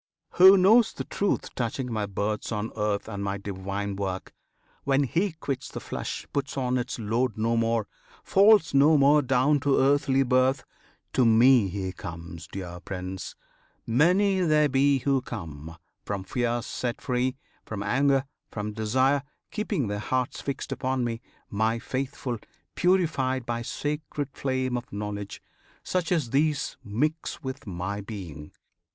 Who knows the truth touching my births on earth And my divine work, when he quits the flesh Puts on its load no more, falls no more down To earthly birth: to Me he comes, dear Prince! Many there be who come! from fear set free, From anger, from desire; keeping their hearts Fixed upon me my Faithful purified By sacred flame of Knowledge. Such as these Mix with my being.